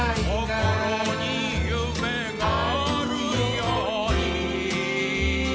「心に夢があるように」